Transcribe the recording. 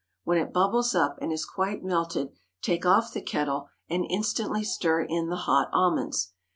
When it bubbles up and is quite melted take off the kettle and instantly stir in the hot almonds.